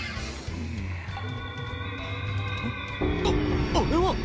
あっあれは！